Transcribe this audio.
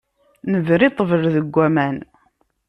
Nebra i ṭṭbel deg waman.